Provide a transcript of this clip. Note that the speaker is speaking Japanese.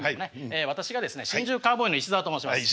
私がですね新宿カウボーイの石沢と申します。